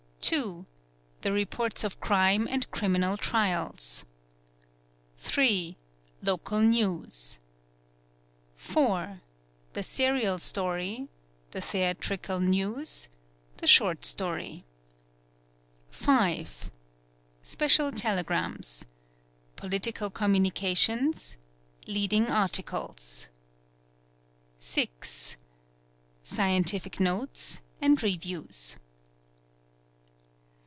2. The reports of crime and criminal trials. 8. Local news. The serial story. 4.~+ The theatrical news. The short story. Special telegrams. 5.+ Political communications. Leading Articles. 6. Scientific notes, and reviews.